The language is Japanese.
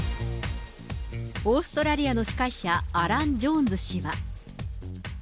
オーストラリアの司会者、アラン・ジョーンズ氏は。